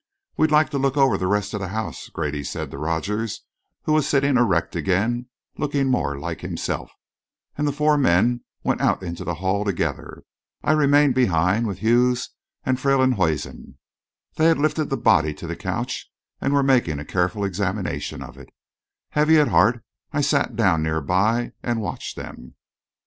"We'd like to look over the rest of the house," Grady said to Rogers, who was sitting erect again, looking more like himself, and the four men went out into the hall together. I remained behind with Hughes and Freylinghuisen. They had lifted the body to the couch and were making a careful examination of it. Heavy at heart, I sat down near by and watched them.